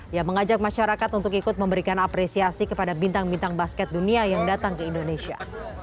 yang mengajak masyarakat untuk ikut memberikan apresiasi kepada bintang bintang basket dunia yang datang ke indonesia